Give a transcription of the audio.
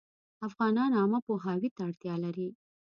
افغانان عامه پوهاوي ته اړتیا لري